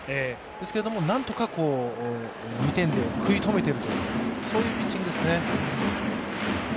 ですけれども、なんとか２点で食い止めているというピッチングです。